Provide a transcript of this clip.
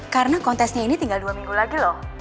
karena kontesnya ini tinggal dua minggu lagi loh